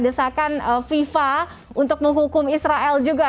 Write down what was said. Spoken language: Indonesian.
desakan fifa untuk menghukum israel juga